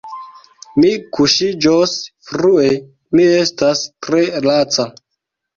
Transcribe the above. Mi kuŝiĝos frue, mi estas tre laca.